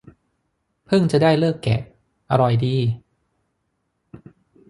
เพิ่งจะได้ฤกษ์แกะ อร่อยดี